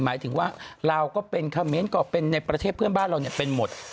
หมายถึงว่าเราเป็นคเมนท์ก็เป็นประเทศพี่บ้านเราเป็นหมด